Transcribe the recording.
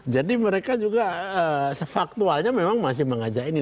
jadi mereka juga sefaktualnya memang masih mengajak ini